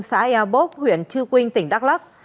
xã ea bốc huyện trư quynh tỉnh đắk lắc